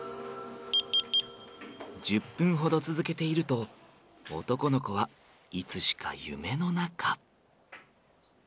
１０分ほど続けていると男の子はいつしか夢の中。